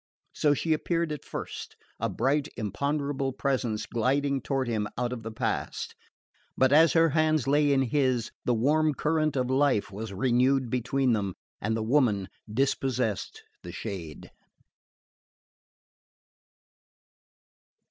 So she appeared at first, a bright imponderable presence gliding toward him out of the past; but as her hands lay in his the warm current of life was renewed between them, and the woman dispossessed the shade.